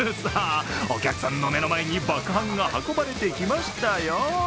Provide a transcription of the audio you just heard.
さあ、お客さんの目の前に爆ハンが運ばれてきましたよ。